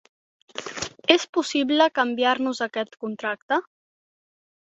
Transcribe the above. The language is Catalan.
És possible canviar-nos a aquest contracte?